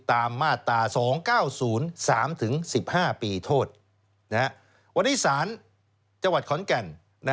ตามมาตรา๒๙๐๓๑๕ปีโทษวันนี้ศาลจังหวัดขอนแก่น